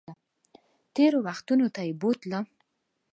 تېرو وختونو ته یې بوتلم